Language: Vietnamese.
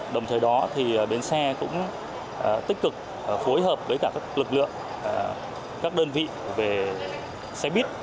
đồng thời đó bến xe cũng tích cực phối hợp với lực lượng các đơn vị về xe bít